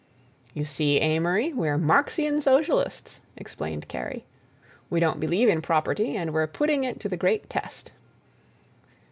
"You see, Amory, we're Marxian Socialists," explained Kerry. "We don't believe in property and we're putting it to the great test."